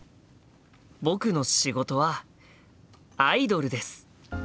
僕の仕事はアイドルです。